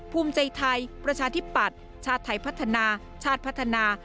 ภูมิใจไทยประชาธิปัตย์ชาติไทยพัฒนาชาติพัฒนา